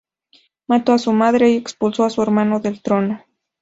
Mató a su madre y expulsó a su hermano del trono.